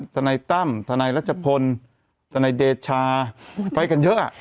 ทนายตั้มทนายรัชพลทนายเดชาไปกันเยอะ